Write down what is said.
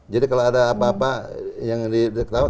jadi kalau ada apa apa yang di tawau kita tarikan